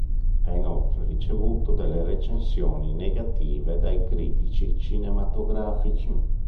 Ha inoltre ricevuto delle recensioni negative dai critici cinematografici.